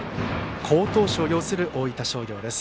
好投手を擁する大分商業です。